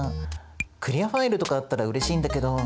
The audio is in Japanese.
クリアファイルとかあったらうれしいんだけど。